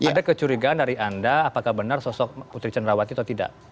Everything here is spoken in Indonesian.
ada kecurigaan dari anda apakah benar sosok putri cenrawati atau tidak